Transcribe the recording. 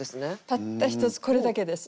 たったひとつこれだけです。